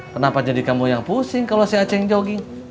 kenapa jadi kamu yang pusing kalau si aceng jogging